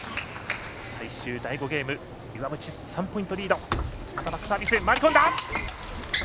最終第５ゲーム岩渕、３ポイントリード。